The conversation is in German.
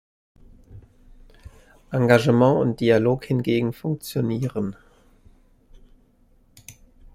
Engagement und Dialog hingegen funktionieren.